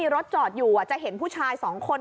รถจอดอยู่จะเห็นผู้ชาย๒คน